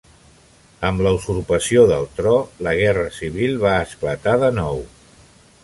Amb la usurpació del tro, la guerra civil va esclatar de nou.